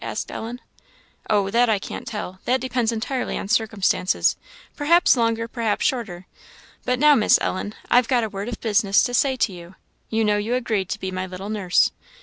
asked Ellen. "Oh, that I can't tell; that depends entirely on circumstances perhaps longer, perhaps shorter. But now, Miss Ellen, I've got a word of business to say to you; you know you agreed to be my little nurse.